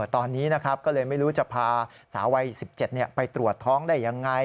ตอนนี้นะครับก็เลยไม่รู้จะพาสาววัย๑๗ไปตรวจท้องได้ยังไง